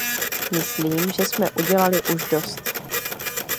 Myslím, že jsme udělali už dost.